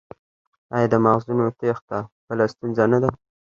آیا د مغزونو تیښته بله ستونزه نه ده؟